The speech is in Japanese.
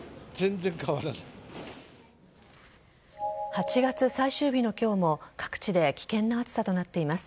８月最終日の今日も各地で危険な暑さとなっています。